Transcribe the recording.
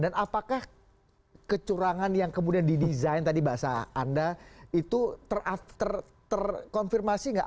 dan apakah kecurangan yang kemudian didesain tadi bahasa anda itu terkonfirmasi nggak